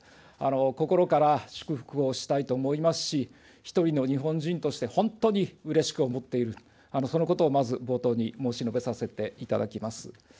心から祝福をしたいと思いますし、一人の日本人として本当にうれしく思っている、そのことをまず冒頭に申し述べさせていただきます。